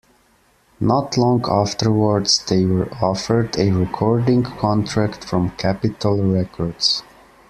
Not long afterwards, they were offered a recording contract from Capitol Records.